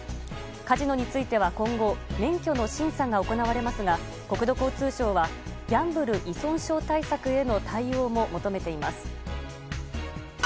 カジノについては今後免許の審査が行われますが国土交通省はギャンブル依存症対策への対応も求めています。